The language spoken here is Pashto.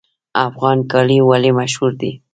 افغاني کالي ولې مشهور دي؟